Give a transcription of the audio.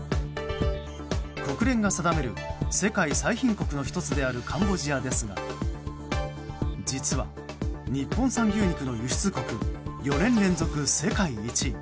国連が定める世界最貧国の１つであるカンボジアですが実は日本産牛肉の輸出国４年連続世界１位。